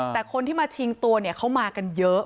แต่คนที่มาชิงตัวเนี่ยเขามากันเยอะ